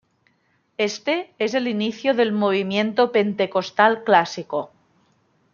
Este es el inicio del movimiento pentecostal clásico.